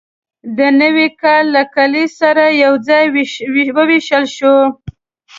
د نوي کال له کلیز سره یوځای وویشل شوه.